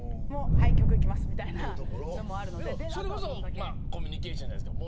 それこそコミュニケーションじゃないですか。